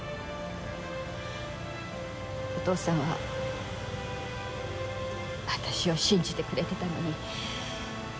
お父さんは私を信じてくれてたのに。